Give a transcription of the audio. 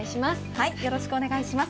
よろしくお願いします。